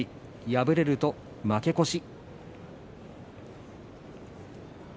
敗れると負け越し。